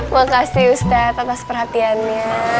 makasih ustaz atas perhatiannya